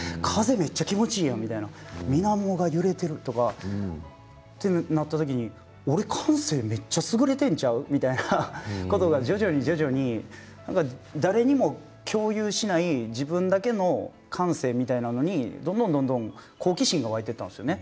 めっちゃ気持ちいいやんってみなもが揺れてるとかそうなった時に俺、感性、めっちゃすぐれてるんちゃうそれが徐々に誰にも共有しない自分だけの感性みたいなものにどんどん、どんどん好奇心が湧いてきたんですよね。